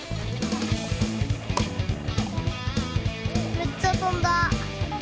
めっちゃとんだ！